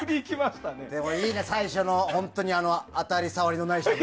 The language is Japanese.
でも、いいね最初の当たり障りのない話。